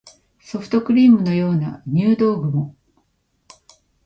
ソフトクリームのような入道雲